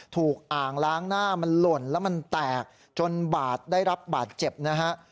อ่างล้างหน้ามันหล่นแล้วมันแตกจนบาดได้รับบาดเจ็บนะฮะ